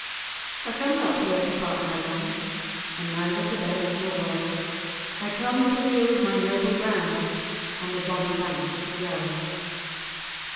"I come not here to part my land, And neither to beg nor borrow, I come to wield my noble brand On the bonnie banks of Yarrow.